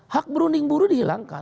hak berunding buruh dihilangkan